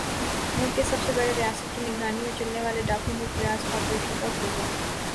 ملک کے سب سے بڑے ریاست کی نگرانی میں چلنے والے ڈاکو ملک ریاض کا آپریشن کب ھوگا